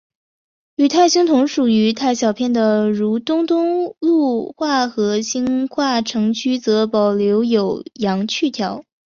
与泰兴同属如泰小片的如东东路话和兴化城区则保留有阳去调。